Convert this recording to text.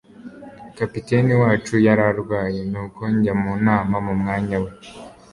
kapiteni wacu yararwaye, nuko njya mu nama mu mwanya we